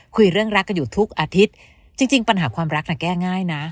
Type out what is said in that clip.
คุยเรื่องรักกันอยู่ทุกอาทิตย์จริงปัญหาความรักน่ะแก้ง่ายนะ